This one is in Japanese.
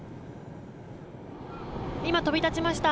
今、飛び立ちました。